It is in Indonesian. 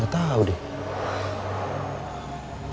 gak tahu deh